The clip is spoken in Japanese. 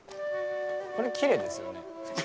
これきれいですよね。